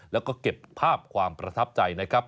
แล้วก็เก็บภาพความประทับใจนะครับ